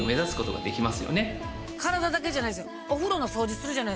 体だけじゃないですよ。